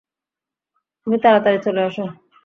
তুমি তাড়াতাড়ি চলো আসো।